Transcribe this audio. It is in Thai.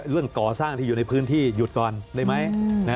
เรื่องก่อสร้างที่อยู่ในพื้นที่หยุดก่อนได้ไหม